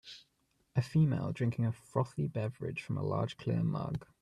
A female drinking a frothy beverage from a large clear mug.